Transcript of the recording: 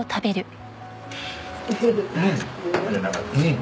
うん！